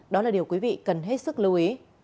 đó là điều quý vị cần hết sức lưu ý